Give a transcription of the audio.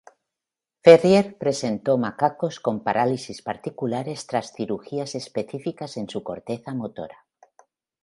Ferrier presentó macacos con parálisis particulares tras cirugías específicas en su corteza motora.